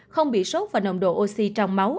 không bị sốt và nồng độ oxy trong máu